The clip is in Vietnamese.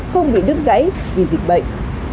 không bị đứt gãy vì dịch bệnh